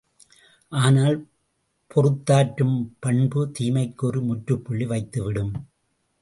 ஆனால் பொறுத்தாற்றும் பண்பு தீமைக்கு ஒரு முற்றுப்புள்ளி வைத்துவிடும்.